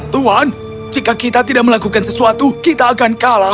tuan jika kita tidak melakukan sesuatu kita akan kalah